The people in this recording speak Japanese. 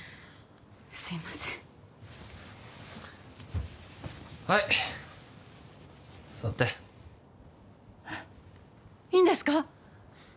すいませんはい座ってえっいいんですか？